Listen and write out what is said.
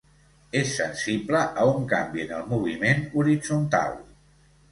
És sensible a un canvi en el moviment horitzontal.